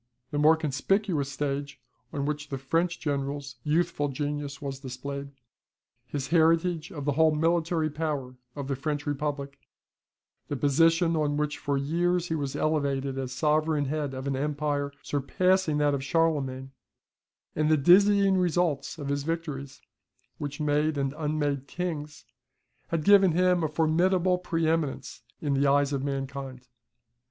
The more conspicuous stage, on which the French general's youthful genius was displayed, his heritage of the whole military power of the French Republic, the position on which for years he was elevated as sovereign head of an empire surpassing that of Charlemagne, and the dazzling results of his victories, which made and unmade kings, had given him a formidable pre eminence in the eyes of mankind.